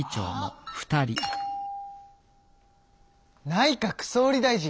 内閣総理大臣！